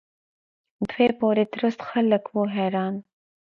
دوی پوري درست خلق وو حیران.